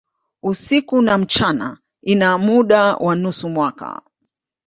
Usiku na mchana ina muda wa nusu mwaka.